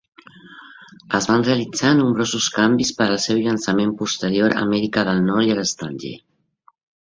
Es van realitzar nombrosos canvis per al seu llançament posterior a Amèrica del Nord i a l'estranger.